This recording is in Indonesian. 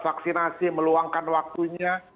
vaksinasi meluangkan waktunya